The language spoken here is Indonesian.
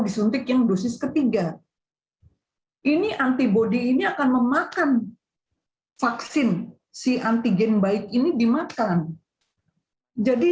disuntik yang dosis ketiga ini antibody ini akan memakan vaksin si antigen baik ini dimakan jadi